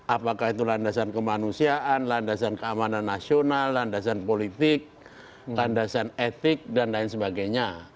apakah itu landasan kemanusiaan landasan keamanan nasional landasan politik landasan etik dan lain sebagainya